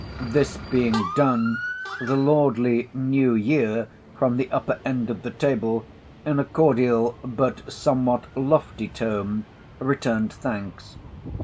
This being done, the lordly New Year from the upper end of the table, in a cordial but somewhat lofty tone, returned thanks.